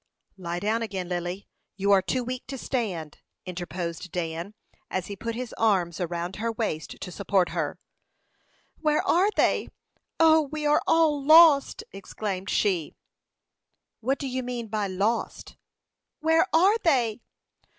"Lie down again, Lily. You are too weak to stand," interposed Dan, as he put his arms around her waist to support her. "Where are they? O, we are all lost!" exclaimed she. "What do you mean by lost?" "Where are they?"